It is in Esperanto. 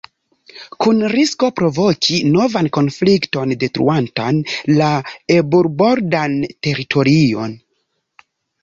Kun risko provoki novan konflikton detruontan la eburbordan teritorion.